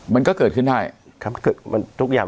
มันก็เกิดขึ้นได้